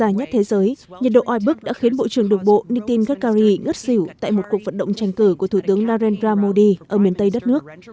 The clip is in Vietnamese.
nhiệt độ oi bức đã khiến bộ trường đường bộ nitin gagari ngất xỉu tại một cuộc vận động tranh cử của thủ tướng narendra modi ở miền tây đất nước